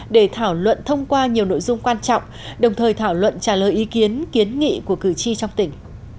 để thảo luận thông qua nhiều nội dung quan trọng đồng thời thảo luận trả lời ý kiến kiến nghị của cử tri trong tỉnh